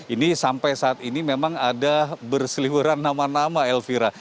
ini sampai saat ini memang ada berselihuran nama nama elvira